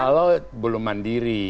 kalau belum mandiri